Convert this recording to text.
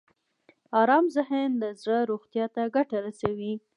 ارام ذهن د زړه روغتیا ته ګټه رسوي.